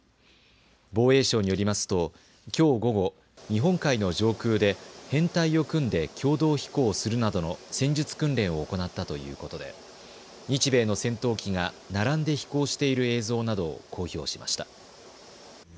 防衛省によりますときょう午後、日本海の上空で編隊を組んで共同飛行するなどの戦術訓練を行ったということで日米の戦闘機が並んで飛行している映像などを公表しました。